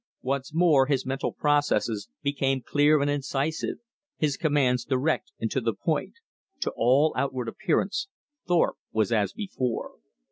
Once more his mental processes became clear and incisive, his commands direct and to the point. To all outward appearance Thorpe was as before.